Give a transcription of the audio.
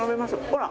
ほら！